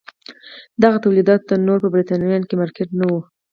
دغو تولیداتو ته نور په برېټانیا کې مارکېټ نه و.